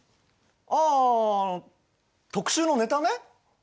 ああ特集のネタね。